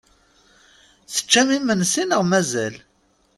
Teččam imensi neɣ mazal?